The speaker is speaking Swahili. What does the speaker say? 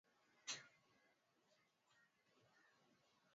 o hauja amuliwa na mahakama dhidi iran